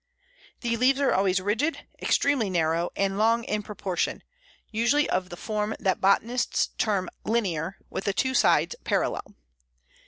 The leaves are always rigid, extremely narrow, and long in proportion: usually of the form that botanists term linear, with the two sides parallel.